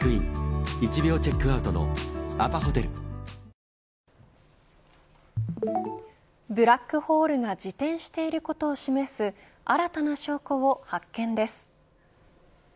ひろうって偉大だなブラックホールが自転していることを示す新たな証拠を発見です。